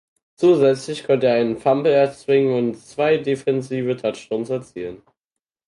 Zusätzlich konnte er einen Fumble erzwingen und zwei defensive Touchdowns erzielen.